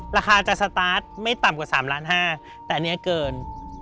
ราคาจะสตาร์ทไม่ต่ำกว่า๓ล้านห้าแต่อันนี้เกิน